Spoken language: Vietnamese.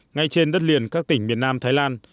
ngay trên đất liền các tỉnh miền nam thái lan